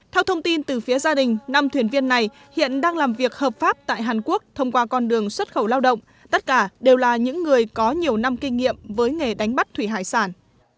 theo thông tin từ phía gia đình năm thuyền viên này hiện đang làm việc hợp pháp tại hàn quốc thông qua con đường xuất khẩu lao động tất cả đều là những người có nhiều năm kinh nghiệm với nghề đánh bắt thủy hải sản